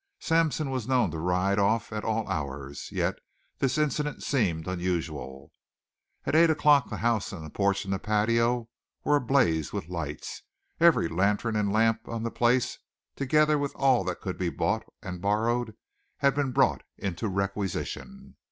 Sampson was known to ride off at all hours, yet this incident seemed unusual. At eight o'clock the house and porch and patio were ablaze with lights. Every lantern and lamp on the place, together with all that could be bought and borrowed, had been brought into requisition.